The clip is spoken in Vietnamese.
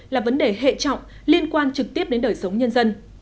là vấn đề hệ trọng liên quan trực tiếp đến đời sống nhân dân